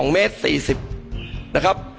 ๒เมตร๔๐นะครับ